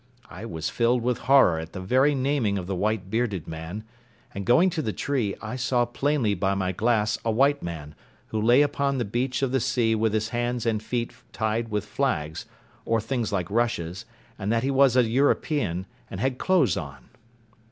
I was filled with horror at the very naming of the white bearded man; and going to the tree, I saw plainly by my glass a white man, who lay upon the beach of the sea with his hands and his feet tied with flags, or things like rushes, and that he was an European, and had clothes on.